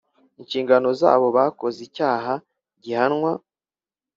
inshingano zabo bakoze icyaha gihanwa